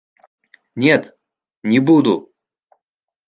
Нет, не буду!